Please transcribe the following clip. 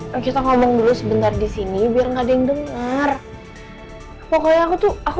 hai kita ngomong dulu sebentar di sini biar enggak ada yang dengar pokoknya aku tuh aku